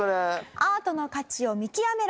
アートの価値を見極めろ。